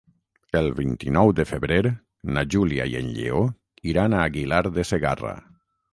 El vint-i-nou de febrer na Júlia i en Lleó iran a Aguilar de Segarra.